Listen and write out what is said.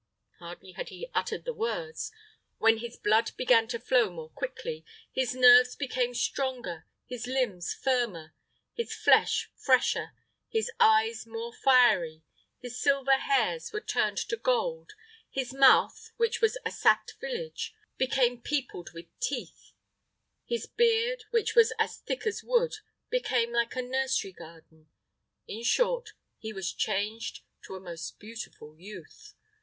Hardly had he uttered the words, when his blood began to flow more quickly, his nerves became stronger, his limbs firmer, his flesh fresher, his eyes more fiery, his silver hairs were turned to gold; his mouth, which was a sacked village, became peopled with teeth; his beard, which was as thick as wood, became like a nursery garden; in short, he was changed to a most beautiful youth.